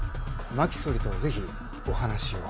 真木総理と是非お話を。